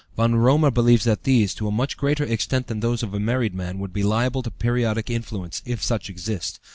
Von Römer believes that these, to a much greater extent than those of a married man, would be liable to periodic influence, if such exist.